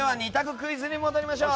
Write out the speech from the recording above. クイズに戻りましょう。